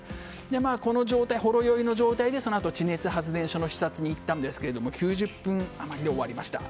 この、ほろ酔いの状態でそのあと地熱発電所の施設に行ったんですけれども９０分で終わりました。